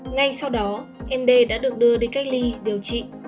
ngay sau đó md đã được đưa đi cách ly điều trị